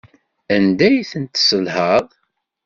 Anda ay tent-tesselhaḍ?